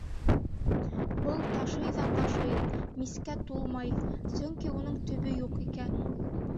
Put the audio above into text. Был ташый ҙа ташый, мискә тулмай, сөнки уның төбө юҡ икән.